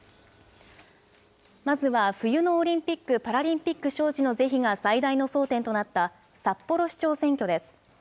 まずは冬のオリンピック・パラリンピック招致の是非が最大の争点となった札幌市長選挙です。